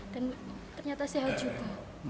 dan ternyata sehat juga